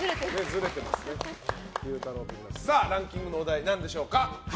ランキングのお題何でしょうか？